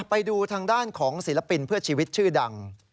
ไปดูทางด้านของศิลปินเพื่อชีวิตชื่อดัง